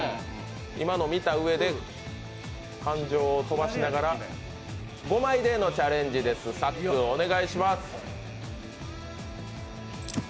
今の見たうえで、飛ばしながら５枚でのチャレンジです、お願いします。